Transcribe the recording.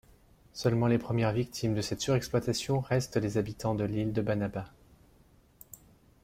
Seulement les premières victimes de cette surexploitation restent les habitants de l'île de Banaba.